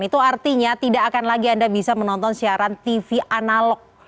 itu artinya tidak akan lagi anda bisa menonton siaran tv analog